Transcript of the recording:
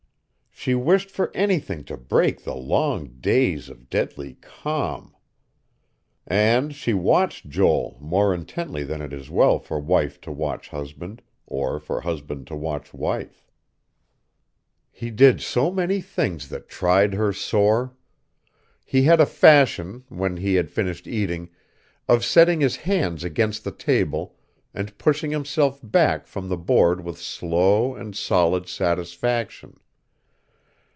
She wished for anything to break the long days of deadly calm. And she watched Joel more intently than it is well for wife to watch husband, or for husband to watch wife. He did so many things that tried her sore. He had a fashion, when he had finished eating, of setting his hands against the table and pushing himself back from the board with slow and solid satisfaction.